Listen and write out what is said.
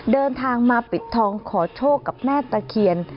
เดินทางมาปิดทองขอโชคกับแม่ตะเคียน